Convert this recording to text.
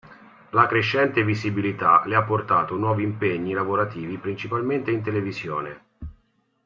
La crescente visibilità le ha portato nuovi impegni lavorativi principalmente in televisione.